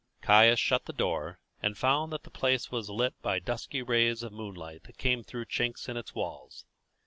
Caius shut the door, and found that the place was lit by dusky rays of moonlight that came through chinks in its walls.